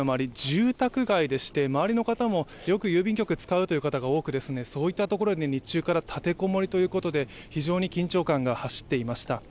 住宅街でして周りの方も郵便局を使うという方が多く、そういったところで日中から立てこもりということで、非常に緊張感が走っていました。